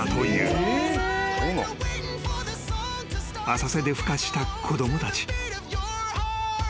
［浅瀬でふ化した子供たち］